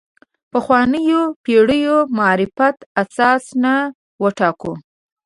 پخوانیو پېړیو معرفت اساس نه وټاکو.